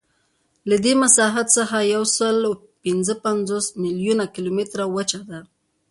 له دې مساحت څخه یوسلاوهپینځهپنځوس میلیونه کیلومتره وچه ده.